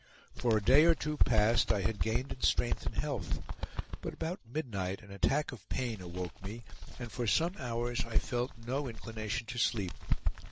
For a day or two past I had gained in strength and health, but about midnight an attack of pain awoke me, and for some hours I felt no inclination to sleep.